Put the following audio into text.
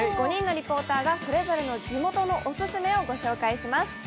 ５人のリポーターがそれぞれの地元のオススメをご紹介します。